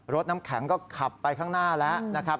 รถน้ำแข็งก็ขับไปข้างหน้าแล้วนะครับ